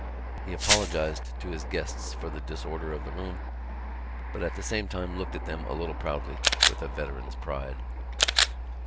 He apologised to his guests for the disorder of the room, but at the same time looked at them a little proudly, with a veteran's pride.